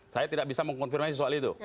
saya tidak bisa mengkonfirmasi soal itu